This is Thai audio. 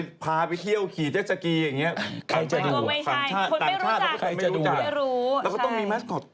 ว้าวแล้วก็ต้องมีแมสคอต